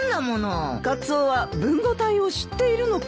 カツオは文語体を知っているのかい？